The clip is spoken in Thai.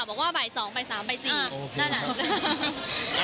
บอกว่าบ่าย๒บ่าย๓บ่าย๔นั่นแหละ